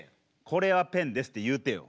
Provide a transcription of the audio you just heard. これはペンですって言うてよ。